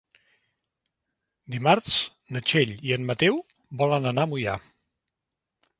Dimarts na Txell i en Mateu volen anar a Moià.